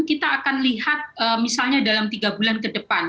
kita akan lihat misalnya dalam tiga bulan ke depan